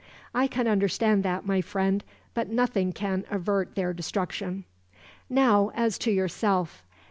"I can understand that, my friend; but nothing can avert their destruction. "Now, as to yourself.